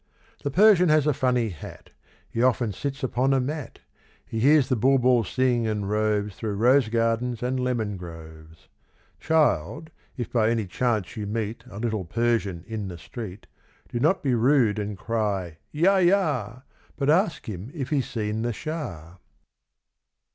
The Persian has a funny hat, He often sits upon a mat; He hears the bulbul sing, and roves Through rose gardens and lemon groves. Child, if by any chance you meet A little Persian in the street, Do not be rude and cry "Yah yah!" But ask him if he's seen the Shah.